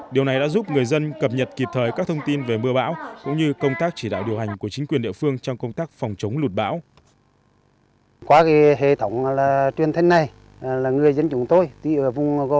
điều này đã giúp người dân cập nhật kịp thời các thông tin về mưa bão cũng như công tác chỉ đạo điều hành của chính quyền địa phương trong công tác phòng chống lụt bão